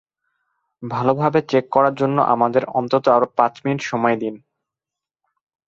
ভালোভাবে চেক করার জন্য আমাদের অন্তত আরো পাঁচ মিনিট সময় দিন।